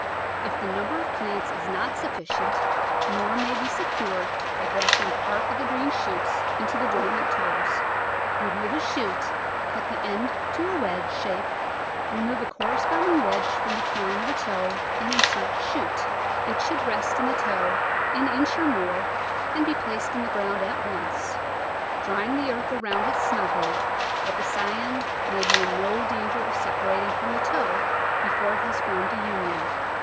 If the number of plants is not sufficient more may be secured by graft ing part of the green shoots into the dormant toes. Remove a shoot, cut the end to a wedge shape, re move a corresponding wedge from the crown of a toe and insert the shoot; it should rest in the toe an inch or more and be placed in the ground at once — drawing the earth around it snugly that the scion may be in no danger of separating from the toe be fore it has formed a union.